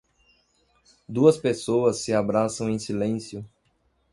Duas pessoas se abraçam em silêncio